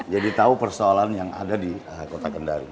jadi tahu persoalan yang ada di kota kendari